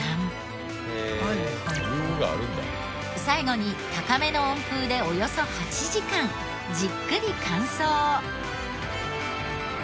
最後に高めの温風でおよそ８時間じっくり乾燥。